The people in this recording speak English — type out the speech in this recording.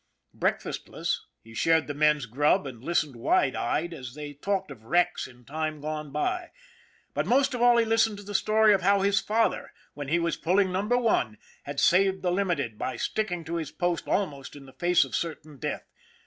Breakfastless, he shared the men's grub and lis tened wide eyed as they talked of wrecks in times gone by; but most of all he listened to the story of how his father, when he was pulling Number One, had saved the Limited by sticking to his post almost in the face of certain death.